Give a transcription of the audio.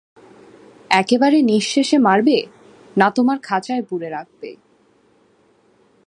একেবারে নিঃশেষে মারবে, না তোমার খাঁচায় পুরে রাখবে?